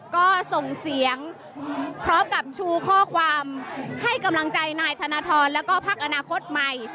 ก็ส่งเสียงพร้อมกับชูข้อความให้กำลังใจนายธนทรแล้วก็พักอนาคตใหม่